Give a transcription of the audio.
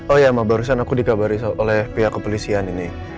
oh ya barusan aku dikabari oleh pihak kepolisian ini